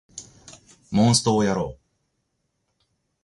モンストをやろう